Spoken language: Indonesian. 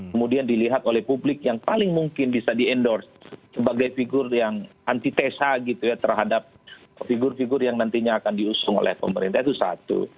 kemudian dilihat oleh publik yang paling mungkin bisa di endorse sebagai figur yang antitesa gitu ya terhadap figur figur yang nantinya akan diusung oleh pemerintah itu satu